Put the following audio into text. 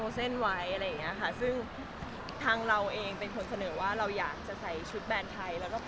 ซึ่งทางเราเองเป็นคนเสนอว่าเราอยากจะใส่ชุดแบนไทย